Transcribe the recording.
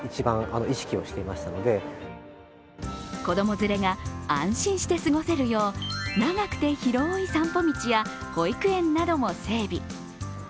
子供連れが安心して過ごせるよう長くて広い散歩道や保育園なども整備。